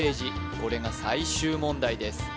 これが最終問題です